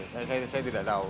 saya tidak tahu